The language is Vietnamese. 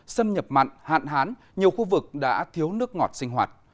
xâm nhập mặn hạn hán nhiều khu vực đã thiếu nước ngọt sinh hoạt